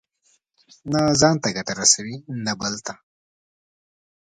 نه ځان ته ګټه رسوي، نه بل ته.